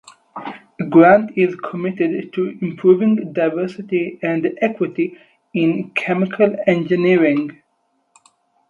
Grant is committed to improving diversity and equity in chemical engineering.